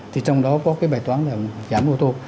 thì trong đó có cái bài toán là giảm ô tô